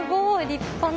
立派な。